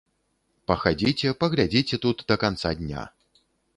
Пахадзіце, паглядзіце тут да канца дня.